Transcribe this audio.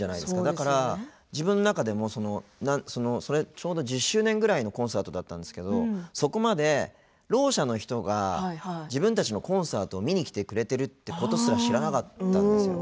だから、自分の中でもちょうど、１０周年ぐらいのコンサートだったんですけどそこまで、ろう者の人が自分たちのコンサートを見に来てくれてるってことすら知らなかったんですよ。